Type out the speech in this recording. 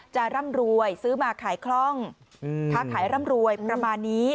ร่ำรวยซื้อมาขายคล่องค้าขายร่ำรวยประมาณนี้